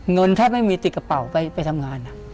เงินแทบไม่มีติดกระเป๋าไปทำงาน